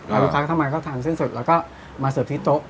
แล้วลูกค้าทำมาก็ทานเส้นสดแล้วก็มาเสิร์ฟที่โต๊ะ